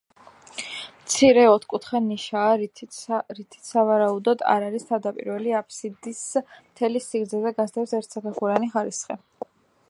მცირე, ოთხკუთხა ნიშაა, რითიც სავარაუდოდ, არ არის თავდაპირველი აფსიდს მთელი სიგრძეზე გასდევს ერთსაფეხურიანი ხარისხი.